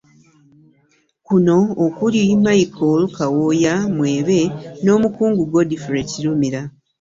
Kuno okuli; Micheal Kawooya Mwebe n'Omukungu Godfrey Kirumira